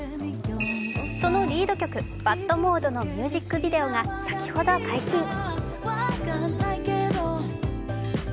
そのリード曲、「ＢＡＤモード」のミュージックビデオが先ほど解禁